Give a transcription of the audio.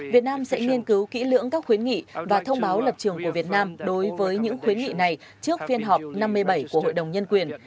việt nam sẽ nghiên cứu kỹ lưỡng các khuyến nghị và thông báo lập trường của việt nam đối với những khuyến nghị này trước phiên họp năm mươi bảy của hội đồng nhân quyền